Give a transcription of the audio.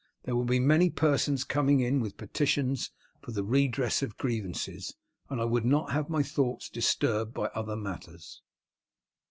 There will be many persons coming in with petitions for the redress of grievances, and I would not have my thoughts disturbed by other matters."